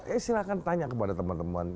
eh silahkan tanya kepada temen temen